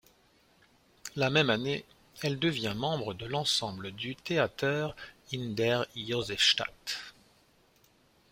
La même année, elle devient membre de l'ensemble du Theater in der Josefstadt.